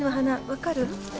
分かる？